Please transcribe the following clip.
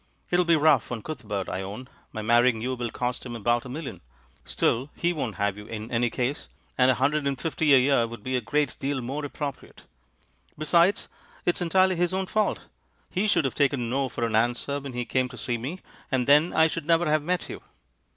It'll be rough on Cuthbert I own — my marrying you will cost him about a million. Still, he won't have 276 THE MAN WHO UNDERSTOOD WOMEN you in any case; and a hundred and fifty a year would be a great deal more appropriate. Be sides, it's entirely his own fault; he should have taken 'no' for an answer when he came to see me, and then I should never have met you.